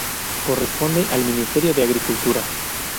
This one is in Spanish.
Corresponde al Ministerio de Agricultura.